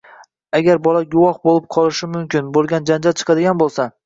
Agar bola guvoh bo‘lib qolishi mumkin bo‘lgan janjal chiqadigan bo‘lsa